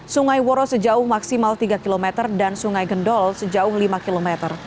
sungai woro sejauh maksimal tiga km dan sungai gendol sejauh lima km